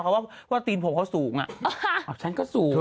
เขาพาใครไปเปล่ารอบนี้